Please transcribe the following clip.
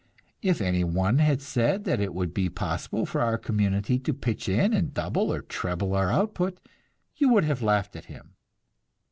If any one had said that it would be possible for our community to pitch in and double or treble our output, you would have laughed at him.